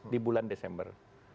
di bulan desember